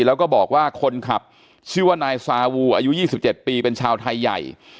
แล้วก็บอกว่าคนขับชื่อว่านายซาวูอายุ๒๗ปีเป็นชาวไทยใหญ่